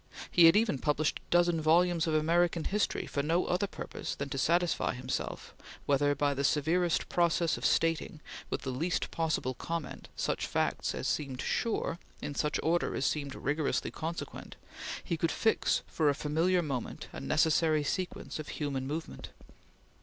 He had even published a dozen volumes of American history for no other purpose than to satisfy himself whether, by severest process of stating, with the least possible comment, such facts as seemed sure, in such order as seemed rigorously consequent, he could fix for a familiar moment a necessary sequence of human movement.